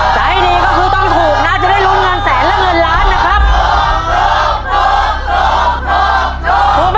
จะให้ดีก็คือต้องถูกนะจะได้ลุ้นเงินแสนและเงินล้านนะครับ